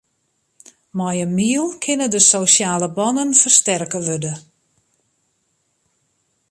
Mei in miel kinne de sosjale bannen fersterke wurde.